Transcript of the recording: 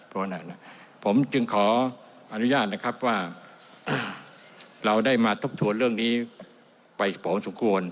เพราะฉะนั้นผมจึงขออนุญาตนะครับว่าเราได้มาทบทวนเรื่องนี้ไปพอสมควร